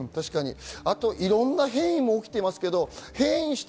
あと、いろんな変異も起きています。